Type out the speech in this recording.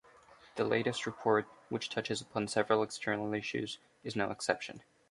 The latest report - which touches upon several external issues - is no exception.